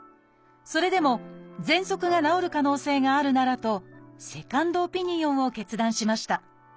それでもぜんそくが治る可能性があるならとセカンドオピニオンを決断しました。